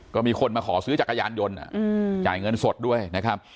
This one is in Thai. ก็มีคนมาขอซื้อจักรยานยนต์จ่ายเงินสดด้วยนะครับ